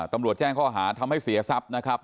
ตำรวจแจ้งข้อหาทำให้เสียทรัพย์นะครับ